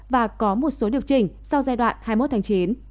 và có một số điều chỉnh sau giai đoạn hai mươi một tháng chín